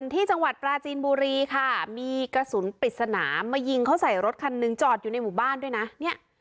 ที่จังหวัดปราจีนบุรีค่ะมีกระสุนปริศนามายิงเขาใส่รถคันหนึ่งจอดอยู่ในหมู่บ้านด้วยนะเนี่ย